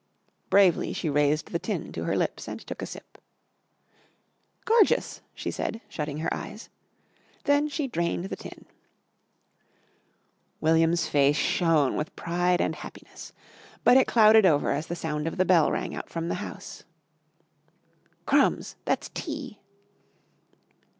Bravely she raised the tin to her lips and took a sip. "Gorgeous!" she said, shutting her eyes. Then she drained the tin. William's face shone with pride and happiness. But it clouded over as the sound of a bell rang out from the house. "Crumbs! That's tea!"